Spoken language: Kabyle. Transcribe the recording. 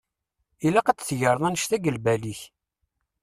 Ilaq ad tegreḍ annect-a g lbal-ik.